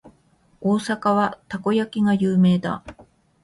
大阪はたこ焼きが有名だ。